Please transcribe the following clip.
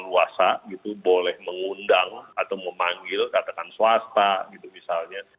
jadi lebih leluasa gitu boleh mengundang atau memanggil katakan swasta gitu misalnya